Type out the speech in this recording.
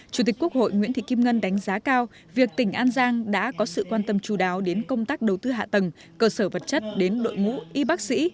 chủ tịch quốc hội nguyễn thị kim ngân đánh giá cao việc tỉnh an giang đã có sự quan tâm chú đáo đến công tác đầu tư hạ tầng cơ sở vật chất đến đội ngũ y bác sĩ